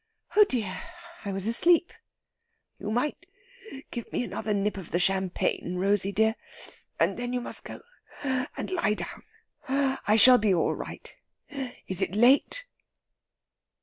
"Oh dear! I was asleep." "You might give me another nip of the champagne, Rosey dear. And then you must go and lie down. I shall be all right. Is it late?"